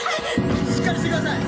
しっかりしてください！